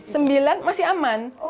sembilan masih aman